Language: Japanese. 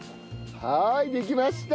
はいできました！